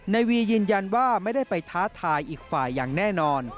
ในวียืนยันว่าไม่ได้ไปท้าทายอีกฝ่ายอย่างแน่นอน